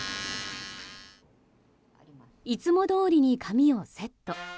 いつもどおりに髪をセット。